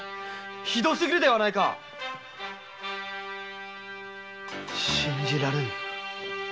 ひどすぎるではないか‼信じられぬ。